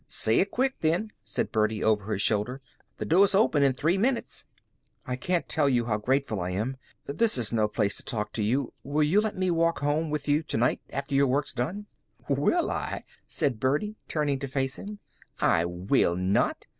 "Say it quick then," said Birdie, over her shoulder. "The doors open in three minnits." "I can't tell you how grateful I am. This is no place to talk to you. Will you let me walk home with you to night after your work's done?" "Will I?" said Birdie, turning to face him. "I will not.